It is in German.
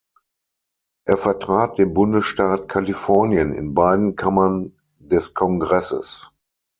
Er vertrat den Bundesstaat Kalifornien in beiden Kammern des Kongresses.